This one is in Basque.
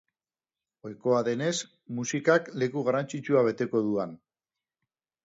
Ohikoa denez, musikak leku garrantzitsua beteko du han.